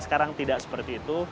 sekarang tidak seperti itu